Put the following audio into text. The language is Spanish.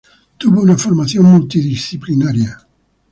Tuvo una formación multidisciplinaria.